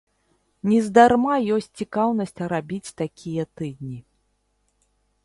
Нездарма ёсць цікаўнасць рабіць такія тыдні.